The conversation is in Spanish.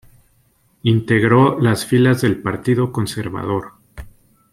Integró las filas del Partido Conservador.